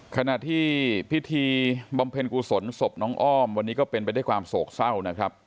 ขณะที่พิธีบำเพ็ญกุศลศพน้องอ้อมวันนี้ก็เป็นไปด้วยความโศกเศร้านะครับ